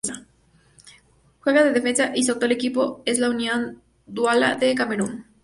Juega de defensa y su actual equipo es el Union Douala de Camerún.